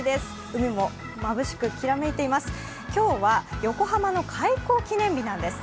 海もまぶしくきらめいています。